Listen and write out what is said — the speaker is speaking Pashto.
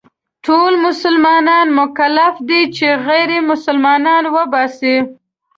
ټول مسلمانان مکلف دي چې غير مسلمانان وباسي.